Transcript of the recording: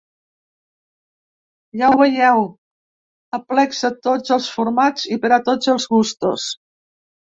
Ja ho veieu, aplecs de tots els formats i per a tots els gustos.